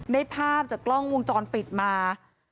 ได้ภาพจากกล้องวงจรปิดมา